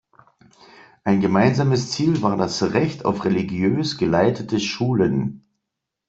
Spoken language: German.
Ein gemeinsames Ziel war das Recht auf religiös geleitete Schulen.